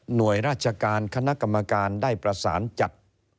โดยราชการคณะกรรมการได้ประสานจัด